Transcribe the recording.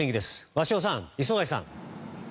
鷲尾さん、磯貝さん。